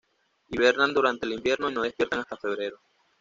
Hibernan durante el invierno y no despiertan hasta febrero.